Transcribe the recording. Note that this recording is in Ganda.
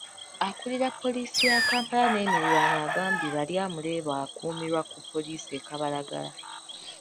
Ayogerera Poliisi ya Kampala n’emirirwano agambye Baryamureeba akuumirwa ku Pollisi e Kabalagala.